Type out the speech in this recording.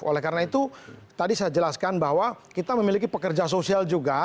oleh karena itu tadi saya jelaskan bahwa kita memiliki pekerja sosial juga